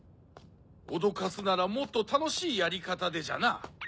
おどかすならもっとたのしいやりかたでじゃな。